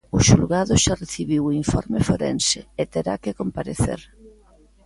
O xulgado xa recibiu o informe forense, e terá que comparecer.